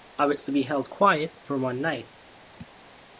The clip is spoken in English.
I was to be held quiet for one night.